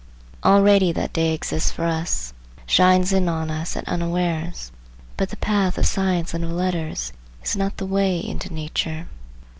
Already that day exists for us, shines in on us at unawares, but the path of science and of letters is not the way into nature.